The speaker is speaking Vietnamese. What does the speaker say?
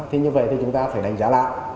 thì như vậy thì chúng ta phải đánh giá lại